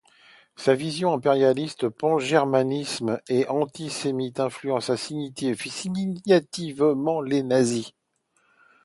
Sa vision impérialiste, pangermaniste et antisémite influence significativement les nazis.